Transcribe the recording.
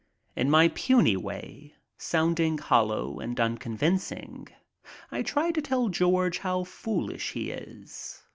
In my puny way, sounding hollow and unconvincing, I try to tell George how foolish he is.